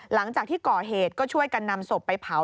หลังจากที่ก่อเหตุก็ช่วยกันนำศพไปเผา